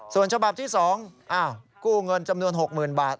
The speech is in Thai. ส่วนฉบับที่๒กู้เงินจำนวน๖๐๐๐บาท